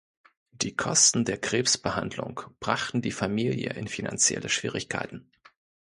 Die Kosten der Krebsbehandlung brachten die Familie in finanzielle Schwierigkeiten.